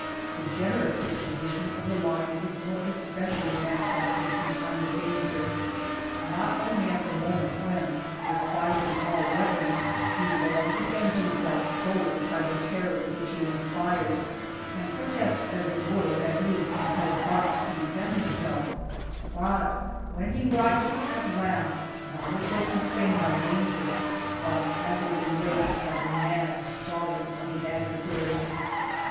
The ge nerous disposition of the lion is more especially manifested in time of danger ; not only at the moment when, despising all weapons, he long defends himself solely by the terror which he inspires, and protests, as it were, that he is compelled thus to de fend himself, but when he rises at last, not as though constrained by danger, but as if enraged by the mad folly of his adversaries.